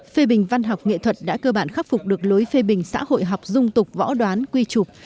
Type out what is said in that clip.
phê bình văn học nghệ thuật đã cơ bản khắc phục được lối phê bình xã hội học dung tục võ đoán quy trục